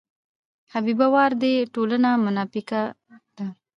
حبیبه ورا دې ټوله مناپیکه ده.